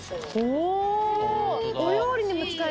お！